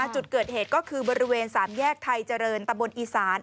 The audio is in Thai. จุดเกิดเหตุก็คือบริเวณ๓แยกไทยเจริญตะบนอีสาน